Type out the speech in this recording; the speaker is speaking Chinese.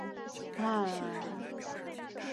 但俄军始终未能知道日军的准确登陆地点。